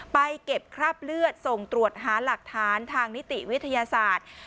ไปเก็บคราบเลือดส่งตรวจหาหลักฐานทางนิติวิทยาศาสตร์